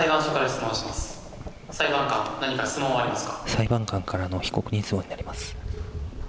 裁判官からの被告人質問になります。